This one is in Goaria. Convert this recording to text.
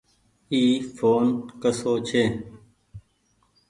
اي ڦون ڪسو ڇي۔